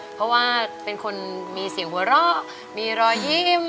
เพราะว่าเป็นคนมีเสียงหัวเราะมีรอยยิ้ม